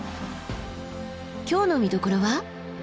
今日の見どころは？